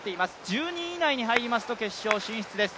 １２位以内に入りますと準決勝進出となります。